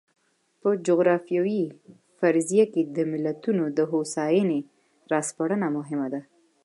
په جغرافیوي فرضیه کې د ملتونو د هوساینې را سپړنه مهمه ده.